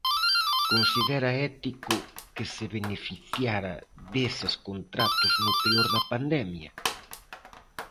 Considera ético que se beneficiara deses contratos no peor da pandemia?